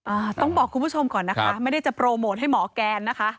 อ่าต้องบอกคุณผู้ชมก่อนนะคะไม่ได้จะโปรโมทให้หมอแกนนะคะ